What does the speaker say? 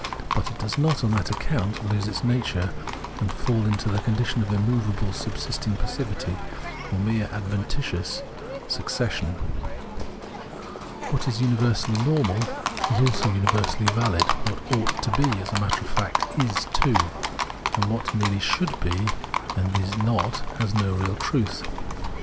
But it does not, on that account, lose its nature and fall into the condition of immovable subsisting passivity, or mere adventitious {gleichgiiltig) succession. What is universally normal is also univer sally valid : what ought to be, as a matter of fact is too ; and what merely should be, and is not, has no real truth.